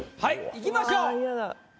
いきましょう。